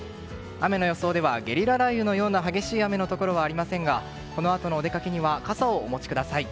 雨の予想ではゲリラ雷雨のような激しい雨のところはありませんがこのあとのお出かけには傘をお持ちください。